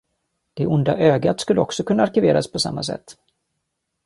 Det "onda ögat" skulle också kunna arkiveras på samma sätt.